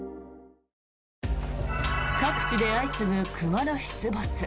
各地で相次ぐ熊の出没。